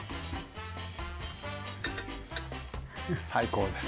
最高です。